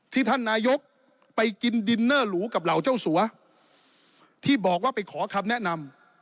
ท่านนายกไปกินดินเนอร์หรูกับเหล่าเจ้าสัวที่บอกว่าไปขอคำแนะนำ